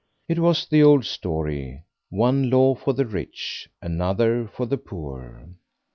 It was the old story, one law for the rich, another for the poor.